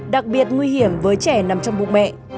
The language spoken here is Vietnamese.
đặc biệt nguy hiểm với trẻ nằm trong bụng mẹ